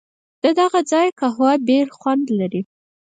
ددغه ځای قهوه بېل خوند لري.